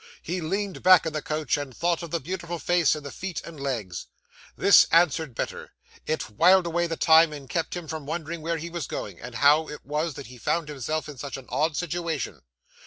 He leaned back in the coach, and thought of the beautiful face, and the feet and legs. This answered better; it whiled away the time, and kept him from wondering where he was going, and how it was that he found himself in such an odd situation.